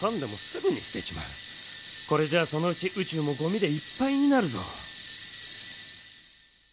これじゃあそのうちうちゅうもゴミでいっぱいになるぞ。